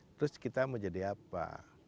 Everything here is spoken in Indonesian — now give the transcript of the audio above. terus kita mau jadi apa